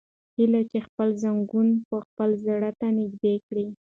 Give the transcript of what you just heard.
هیلې خپل زنګونونه خپل زړه ته نږدې کړل.